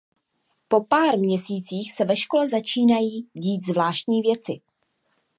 Po pár měsících se ve škole začínají dít zvláštní věci.